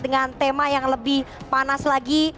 dengan tema yang lebih panas lagi